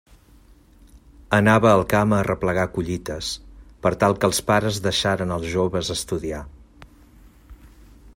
Anava al camp a arreplegar collites, per tal que els pares deixaren als joves estudiar.